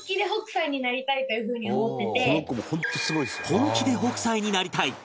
本気で北斎になりたい